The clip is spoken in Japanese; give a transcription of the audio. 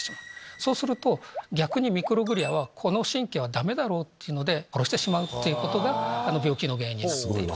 そうすると逆にミクログリアはこの神経はダメだろうと殺してしまうってことが病気の原因になっている。